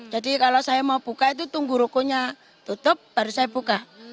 jadi kalau saya mau buka itu tunggu rukonya tutup baru saya buka